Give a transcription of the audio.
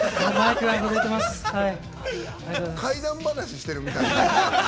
怪談話してるみたい。